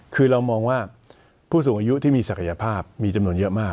คือเรามองว่าผู้สูงอายุที่มีศักยภาพมีจำนวนเยอะมาก